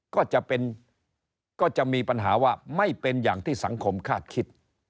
ก็จะเป็นก็จะมีปัญหาว่าไม่เป็นอย่างที่สังคมคาดคิด